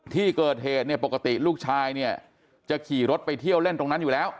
ที่เกิดเหตุเนี่ยปกติลูกชายเนี่ยจะขี่รถไปเที่ยวเล่นตรงนั้นอยู่แล้ว